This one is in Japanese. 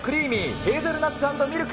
ヘーゼルナッツ＆ミルク。